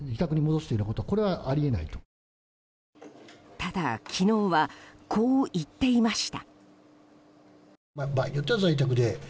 ただ、昨日はこう言っていました。